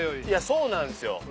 いやそうなんすよ。